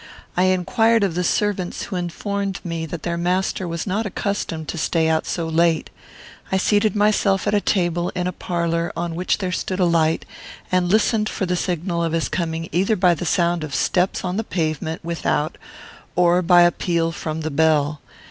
I inquired of the servants, who informed me that their master was not accustomed to stay out so late. I seated myself at a table, in a parlour, on which there stood a light, and listened for the signal of his coming, either by the sound of steps on the pavement without or by a peal from the bell.